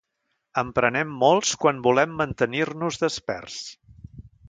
En prenem molts quan volem mantenir-nos desperts.